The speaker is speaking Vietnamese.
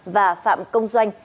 và phạm công duong